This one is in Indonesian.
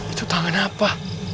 itu tangan apa